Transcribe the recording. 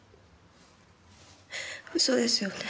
嘘ですよね？